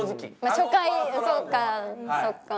初回そうかそっか。